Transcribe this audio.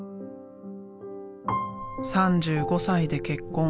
３５歳で結婚。